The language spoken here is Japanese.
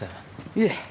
いえ